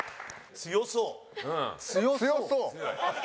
強そう？